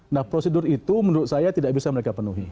nah prosedur itu menurut saya tidak bisa mereka penuhi